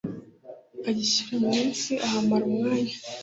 agishyika mu nsi ahamara umwanya